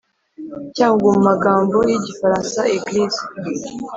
Cyangugu Mu magambo y Igifaransa Eglise